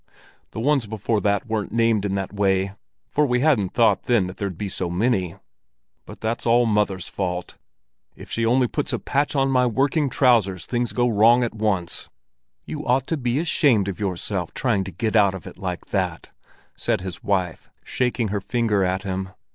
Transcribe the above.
The ones before that weren't named in that way, for we hadn't thought then that there'd be so many. But that's all mother's fault; if she only puts a patch on my working trousers, things go wrong at once." "You ought to be ashamed of yourself, trying to get out of it like that," said his wife, shaking her finger at him.